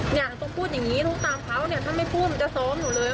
หนูต้องพูดอย่างนี้หนูตามเขาถ้าไม่พูดมันจะซ้อมหนูเลย